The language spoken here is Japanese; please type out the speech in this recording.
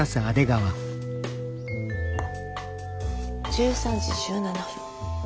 １３時１７分。